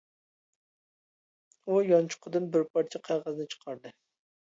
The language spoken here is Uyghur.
ئۇ يانچۇقىدىن بىر پارچە قەغەزنى چىقاردى.